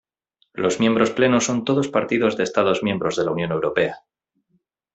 Los miembros plenos son todos partidos de Estados miembro de la Unión Europea.